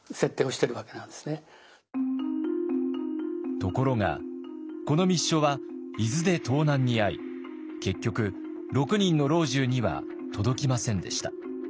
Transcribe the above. ところがこの密書は伊豆で盗難に遭い結局６人の老中には届きませんでした。